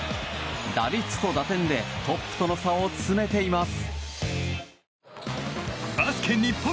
打率と打点でトップとの差を詰めています。